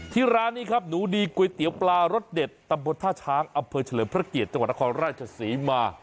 ร้านนี้ครับหนูดีก๋วยเตี๋ยวปลารสเด็ดตำบลท่าช้างอำเภอเฉลิมพระเกียรติจังหวัดนครราชศรีมา